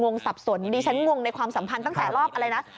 งสับสนดิฉันงงในความสัมพันธ์ตั้งแต่รอบอะไรนะ